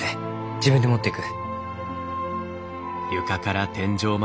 自分で持っていく。